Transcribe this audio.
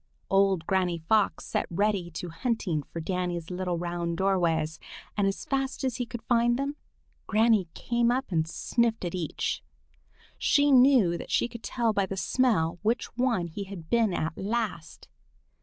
Old Granny Fox set Reddy to hunting for Danny's little round doorways, and as fast as he found them, Granny came up and sniffed at each. She knew that she could tell by the smell which one he had been at last.